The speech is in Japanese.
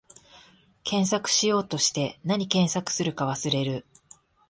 検索しようとして、なに検索するか忘れる